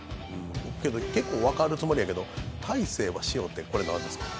結構分かる積もりだけど、大勢は塩って何ですか？